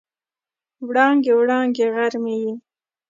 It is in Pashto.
وړانګې، وړانګې غر مې یې